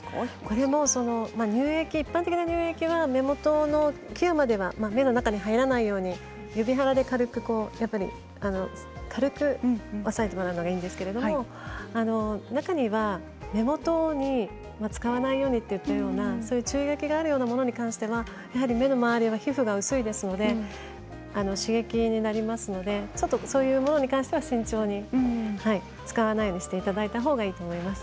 一般的な乳液は目元の際までは目の中に入らないように指の腹で軽く押さえてもらうのがいいんですけれども中には目元に使わないようにといっているような注意書きがあるようなものに関してはやはり目の周りは皮膚が薄いですので刺激になりますのでちょっとそういうものに関しては慎重に使わないようにしていただいたほうがいいと思います。